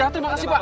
terima kasih pak